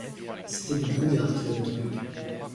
C’était du brouillard qu’il avait en lui.